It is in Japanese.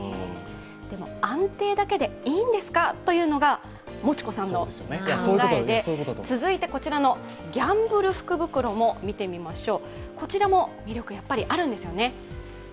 でも、安定だけでいいんですか？というのがもちこさんの考えで続いて、こちらのギャンブル福袋も見てみましょう。